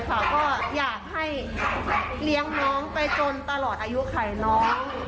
ก็อยากให้เลี้ยงน้องไปจนตลอดอายุไขน้อง